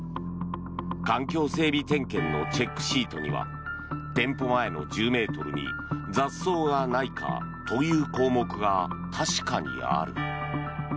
環境整備点検のチェックシートには店舗前の１０ｍに雑草がないかという項目が確かにある。